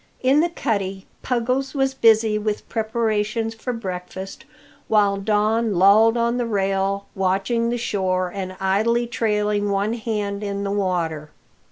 In the cuddy Puggles was busy with preparations for breakfast, whilst Don lolled on the rail, watching the shore, and idly trailing one hand in the water.